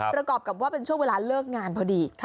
ประกอบเป็นช่วงเวลาเริ่งงานพอดี